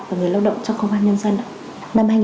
và người lao động trong công an nhân dân